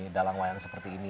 dalang wayang seperti ini